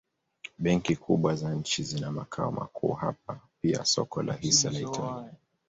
Benki kubwa za nchi zina makao makuu hapa pia soko la hisa la Italia.